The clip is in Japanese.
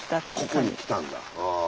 ここに来たんだ。